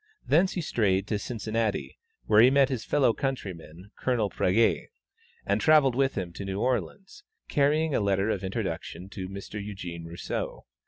Thence he strayed to Cincinnati, where he met his fellow countryman, Colonel Pragay, and travelled with him to New Orleans, carrying a letter of introduction to Mr. Eugene Rousseau.